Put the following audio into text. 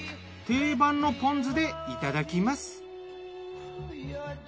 定番のポン酢でいただきます。